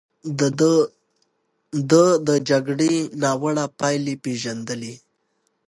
ده د جګړې ناوړه پايلې پېژندلې.